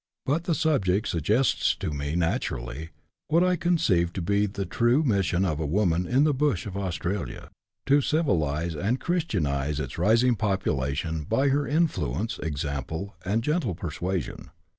But the subject suggests to me, naturally, what I con ceive to be the true mission of woman in the bush of Australia — to civilize and Christianize its rising population by her influ ence, example, and gentle persuasion.